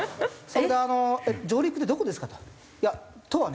それで「上陸ってどこですか？」と。